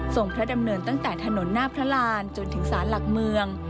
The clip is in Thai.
พระดำเนินตั้งแต่ถนนหน้าพระรานจนถึงสารหลักเมือง